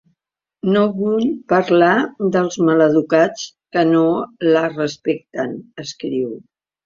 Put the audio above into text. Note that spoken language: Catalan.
No vull parlar dels maleducats que no la respecten, escriu.